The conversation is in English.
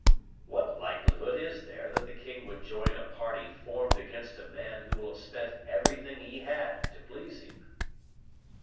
"What likelihood is there that the king would join a party formed against a man who will have spent everything he had to please him?"